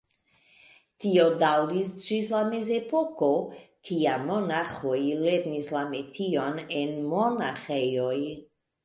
Tio daŭris ĝis la Mezepoko, kiam monaĥoj lernis la metion en monaĥejoj.